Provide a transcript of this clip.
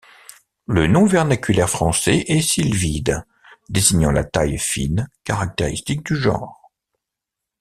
Le nom vernaculaire français est sylvide, désignant la taille fine caractéristique du genre.